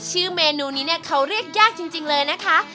ชื่อเมนูนี้เขาเรียกง่ายจริงเลยนะคะ